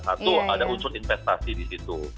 satu ada unsur investasi di situ